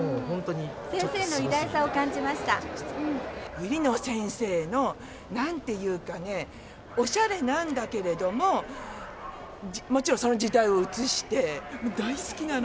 売野先生のなんていうかね、おしゃれなんだけれども、もちろんその時代を映して、もう大好きなの。